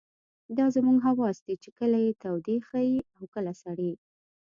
دا زموږ حواس دي چې کله يې تودې ښيي او کله سړې.